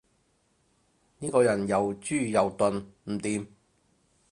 呢個人又豬又鈍，唔掂